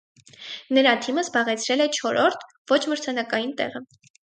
Նրա թիմը զբաղեցրել է չորրորդ՝ ոչ մրցանակային տեղը։